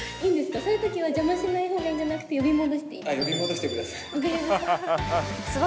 そういうときは邪魔しないほうがいいんじゃなくて、呼び戻すでい呼び戻してください！